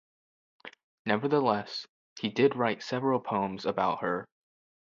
Nevertheless, he did write several poems about her.